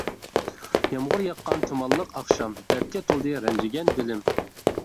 يامغۇر ياغقان تۇمانلىق ئاخشام، دەردكە تولدى رەنجىگەن دىلىم.